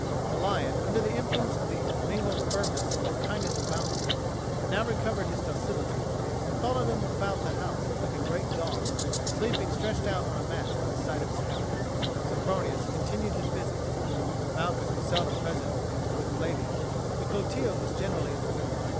The lion, under the influence of the mingled firmness and kindness of Malchus, had now recovered his docility, and followed him about the house like a great dog, sleeping stretched out on a mat by the side of his couch. Sempronius continued his visits. Malchus was seldom present when he was with Flavia, but Clotilde was generally in the room.